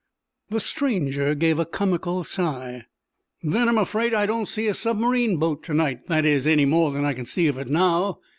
The stranger gave a comical sigh. "Then I'm afraid I don't see a submarine boat to night—that is, any more than I can see of it now."